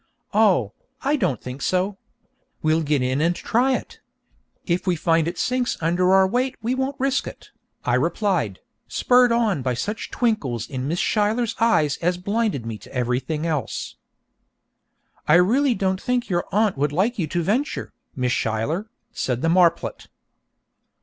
'Oh, I don't think so. We'll get in and try it. If we find it sinks under our weight we won't risk it,' I replied, spurred on by such twinkles in Miss Schuyler's eyes as blinded me to everything else. 'I really don't think your aunt would like you to venture, Miss Schuyler,' said the marplot.